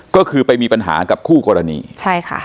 ก็คือไปมีปัญหากับคู่กรณีใช่ค่ะ